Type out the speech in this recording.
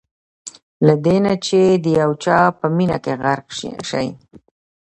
له دې نه چې د یو چا په مینه کې غرق شئ.